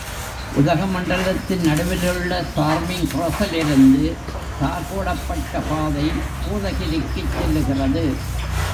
உதகமண்டலத்தின் நடுவிலுள்ள charming கிராஸிலிருந்து, தார் போடப்பட்ட பாதை கோதகிரிக்குச் செல்லுகிறது.